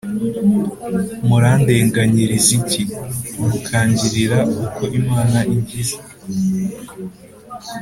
murandenganyiriza iki mukangirira uko imana ingize’